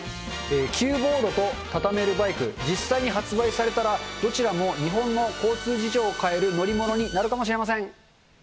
キューボードとタタメルバイク、実際に発売されたら、どちらも日本の交通事情を変える乗り物になるかもしれません。